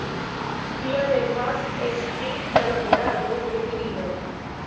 Tia devas esti la laborado de virino.